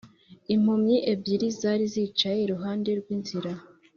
Impumyi ebyiri zari zicaye iruhande rw’inzira